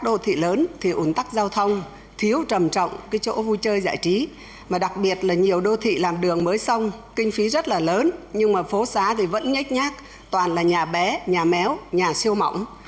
đô thị làm đường mới xong kinh phí rất là lớn nhưng mà phố xá thì vẫn nhách nhác toàn là nhà bé nhà méo nhà siêu mỏng